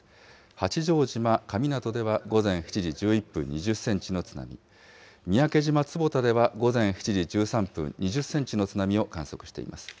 八丈島神湊では午前７時１１分、２０センチの津波、三宅島坪田では、午前７時１３分、２０センチの津波を観測しています。